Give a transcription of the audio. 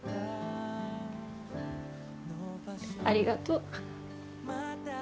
ありがとう。